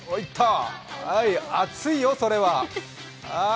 熱いよ、それは。